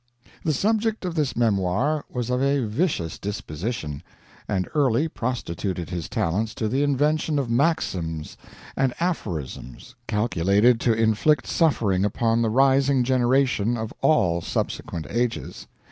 The subject of this memoir was of a vicious disposition, and early prostituted his talents to the invention of maxims and aphorisms calculated to inflict suffering upon the rising generation of all subsequent ages.